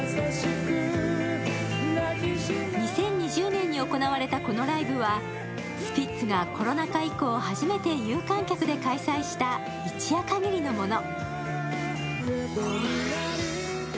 ２０２０年に行われたこのライブはスピッツがコロナ禍以降、初めて有観客で開催した一夜限りのもの。